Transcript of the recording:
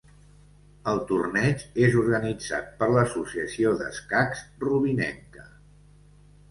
El torneig és organitzat per l'Associació d'Escacs Rubinenca.